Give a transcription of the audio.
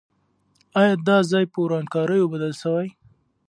آیا دا ځای په ورانکاریو بدل سوی؟